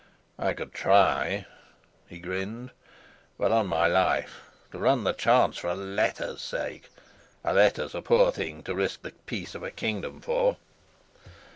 "I could try," he grinned. "But on my life, to run the chance for a letter's sake! A letter's a poor thing to risk the peace of a kingdom for."